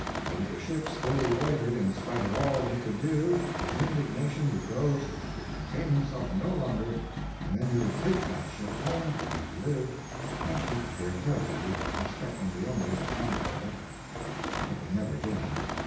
But if a ship still loitered in spite of all he could do, his indignation would grow till he could contain himself no longer and then he would take that ship home where he lived and keep it there carefully, expecting the owners to come for it, but they never did.